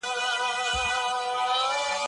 جونګړه د زمرو ده څوک به ځي څوک به راځي